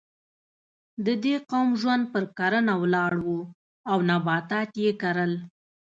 د دې قوم ژوند پر کرنه ولاړ و او نباتات یې کرل.